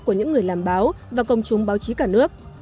của những người làm báo và công chúng báo chí cả nước